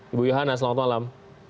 ibu yohana selamat malam